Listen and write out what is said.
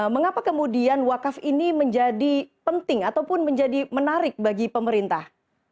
mengapa kemudian wakaf ini menjadi penting ataupun menjadi menarik bagi pemerintah